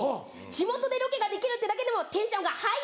地元でロケができるってだけでもテンションがはい！